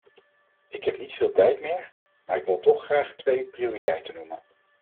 Ik heb niet veel tijd meer, maar ik wil toch graag twee prioriteiten noemen.